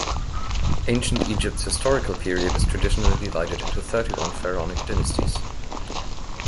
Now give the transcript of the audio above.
Ancient Egypt's historical period is traditionally divided into thirty-one pharaonic dynasties.